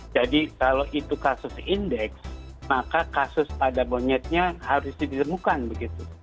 jadi kalau itu kasus indeks maka kasus pada monyetnya harus didemukan begitu